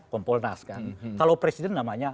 kompolnas kan kalau presiden namanya